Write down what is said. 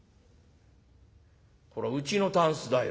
「これはうちのたんすだよ。